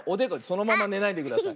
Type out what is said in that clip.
そのままねないでください。